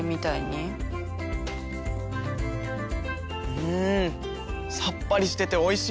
うんさっぱりしてておいしい！